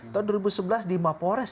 tahun dua ribu sebelas di mapores